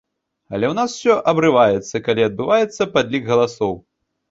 Але ў нас усё абрываецца, калі адбываецца падлік галасоў.